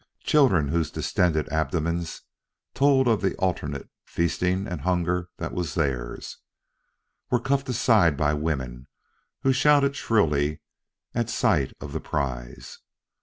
Children, whose distended abdomens told of the alternate feasting and hunger that was theirs, were cuffed aside by women who shouted shrilly at sight of the prize.